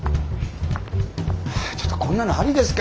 ちょっとこんなのアリですか。